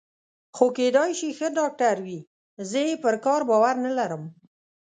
خو کېدای شي ښه ډاکټر وي، زه یې پر کار باور نه لرم.